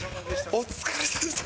お疲れさまです。